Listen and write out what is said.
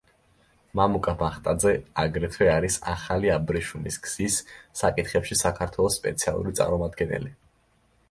მამუკა ბახტაძე აგრეთვე არის „ახალი აბრეშუმის გზის“ საკითხებში საქართველოს სპეციალური წარმომადგენელი.